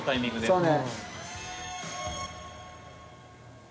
そうね。